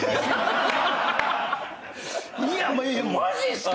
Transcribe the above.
いやマジっすか？